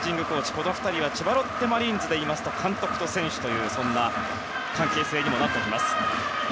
この２人は千葉ロッテマリーンズでいうと監督と選手という関係性にもなります。